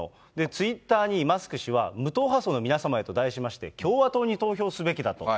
ツイッターにマスク氏は、無党派層の皆様へと題しまして、共和党に投票すべきだと。